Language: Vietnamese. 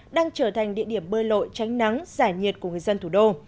đang trở thành địa điểm bơi lội tránh nắng giải nhiệt của người dân thủ đô